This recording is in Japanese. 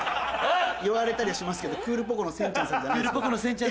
言われたりはしますけど「クールポコ。」のせんちゃんさんじゃないです。